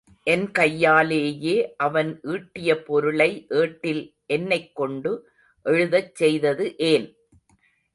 என் கையாலேயே அவன் ஈட்டிய பொருளை ஏட்டில் என்னைக் கொண்டு எழுதச் செய்தது ஏன்?